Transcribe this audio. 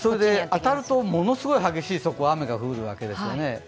当たると、ものすごい激しい雨が降るわけですよね。